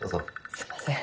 すみません。